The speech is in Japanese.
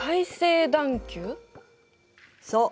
そう。